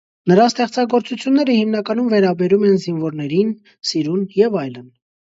Նրա ստեղծագործությունները հիմնականում վերաբերում են՝ զինվորներին, սիրուն և այլն։